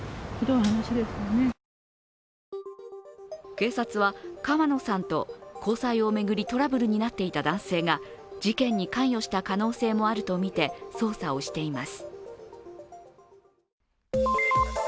警察は川野さんと交際を巡りトラブルになっていた男性が事件に関与した可能性もあるとみて捜査をしています。